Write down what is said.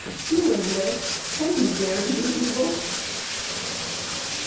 Feeling this, can he dare to be evil?"